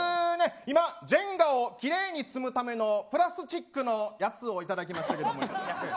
今ジェンガを奇麗に積むためのプラスチックのやつをいただきましたけれど。